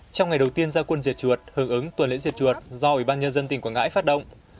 trong ngày đầu tiên gia quân diệt chuột hưởng ứng tuần lễ diệp chuột do ủy ban nhân dân tỉnh quảng ngãi phát động